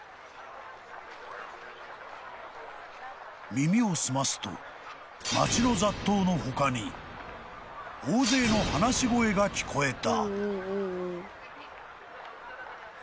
［耳を澄ますと街の雑踏の他に大勢の話し声が聞こえた］